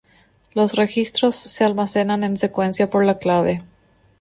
Los registros se almacenan en secuencia por la clave.